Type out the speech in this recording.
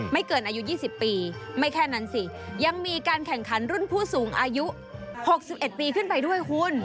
ไม่เกินอายุยี่สิบปีไม่แค่นั้นสิยังมีการแข่งขันรุ่นผู้สูงอายุหกสิบเอ็ดปีขึ้นไปด้วยคุณ